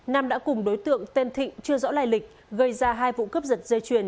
nam đã cùng đối tượng tên thịnh chưa rõ lại lịch gây ra hai vụ cấp dật dây chuyền